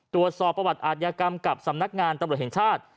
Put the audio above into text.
ตรวจสอบประวัติอาทยากรรมกับสำนักงานตำรวจแห่งชาติ